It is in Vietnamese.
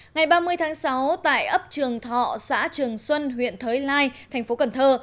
ngày ba mươi tháng sáu tại ấp trường thọ xã trường xuân huyện thới lai thành phố cần thơ